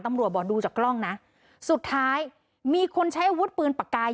บอกดูจากกล้องนะสุดท้ายมีคนใช้อาวุธปืนปากกาย